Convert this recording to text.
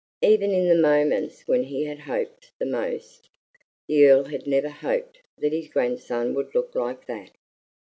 Even in the moments when he had hoped the most, the Earl had never hoped that his grandson would look like that.